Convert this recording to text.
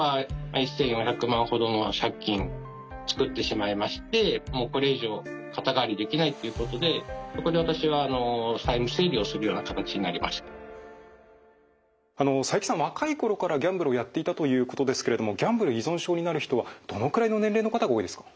そうですね作ってしまいましてもうこれ以上肩代わりできないっていうことでそこで私は佐伯さん若い頃からギャンブルをやっていたということですけれどもギャンブル依存症になる人はどのくらいの年齢の方が多いですか？